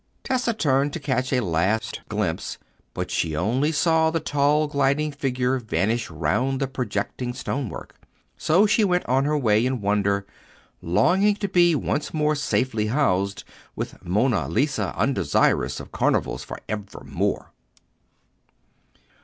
Tessa turned to catch a last glimpse, but she only saw the tall gliding figure vanish round the projecting stonework. So she went on her way in wonder, longing to be once more safely housed with Monna Lisa, undesirous of carnivals for evermore.